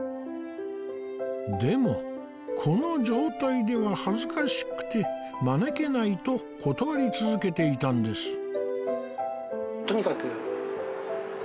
でもこの状態では恥ずかしくて招けないと断り続けていたんです